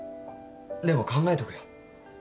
でも考えとくよ。